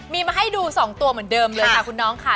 มีมาให้ดู๒ตัวเหมือนเดิมเลยค่ะคุณน้องค่ะ